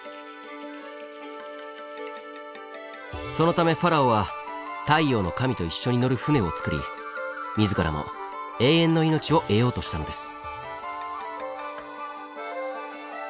そのためファラオは太陽の神と一緒に乗る船をつくり自らも永遠の命を得ようとしたのです。